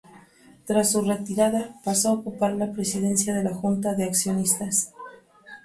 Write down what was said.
Tras su retirada, pasó a ocupar la Presidencia de la Junta de Accionistas.